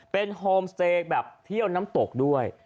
เป็นโฮมสเตย์แบบเที่ยวน้ำตกด้วย